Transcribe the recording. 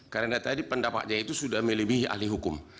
karena tadi pendapatnya itu sudah melebihi ahli hukum